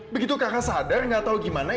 begitu kakak sadar gak tau gimana